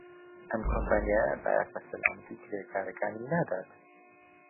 ئەم کۆمپانیایە بایەخ بە سەلامەتیی کرێکارەکانی نادات.